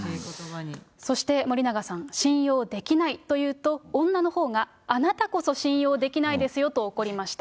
そして森永さん、信用できないと言うと、女のほうが、あなたこそ信用できないですよと怒りました。